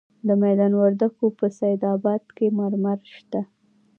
د میدان وردګو په سید اباد کې مرمر شته.